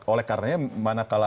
oleh karenanya mana kalah